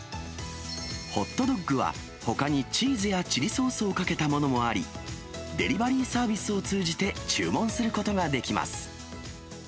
ホットドッグは、ほかにチーズやチリソースをかけたものもあり、デリバリーサービスを通じて注文することができます。